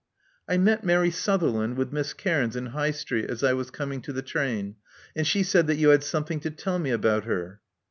I met Mary Sutherland with Miss Cairns in High Street as I was coming to the train ; and she said that you had something to tell me about her."